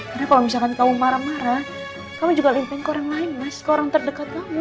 karena kalau misalkan kamu marah marah kamu juga limpahin ke orang lain mas ke orang terdekat kamu